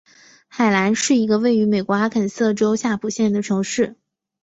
海兰是一个位于美国阿肯色州夏普县的城市。